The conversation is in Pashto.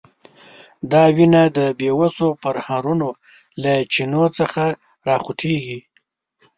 دا وینه د بیوسو پرهرونو له چینو څخه راخوټېږي.